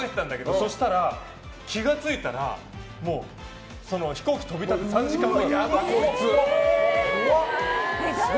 そうしたら、気が付いたらもう飛行機飛び立つ３時間後。